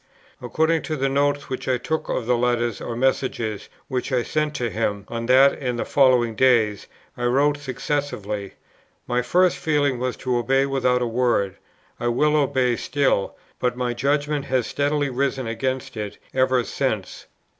According to the notes which I took of the letters or messages which I sent to him on that and the following days, I wrote successively, "My first feeling was to obey without a word; I will obey still; but my judgment has steadily risen against it ever since."